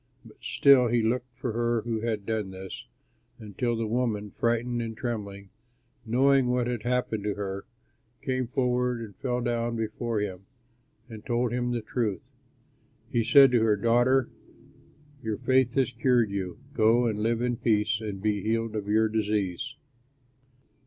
'" But still he looked for her who had done this, until the woman, frightened and trembling, knowing what had happened to her, came forward and fell down before him and told him the truth. He said to her, "Daughter, your faith has cured you. Go and live in peace, and be healed of your disease."